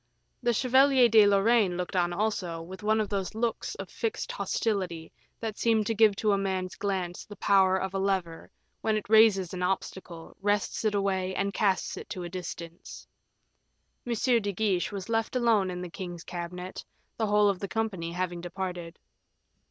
The Chevalier de Lorraine looked on also, with one of those looks of fixed hostility that seemed to give to a man's glance the power of a lever when it raises an obstacle, wrests it away, and casts it to a distance. M. de Guiche was left alone in the king's cabinet, the whole of the company having departed.